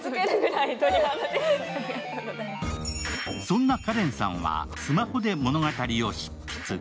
そんなカレンさんはスマホで物語を執筆。